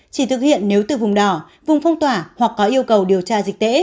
chỉ thực hiện nếu từ vùng đỏ vùng phong tỏa hoặc có yêu cầu điều tra dịch tễ